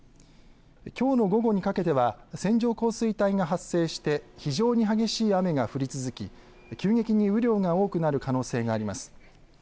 きょうの午後にかけては線状降水帯が発生して非常に激しい雨が降り続き急激に雨量が多くなる可能性があります。